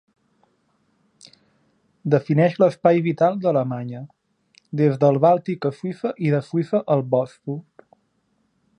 Defineix l'espai vital d'Alemanya: des del Bàltic a Suïssa i de Suïssa al Bòsfor.